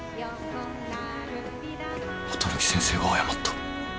綿貫先生が謝った。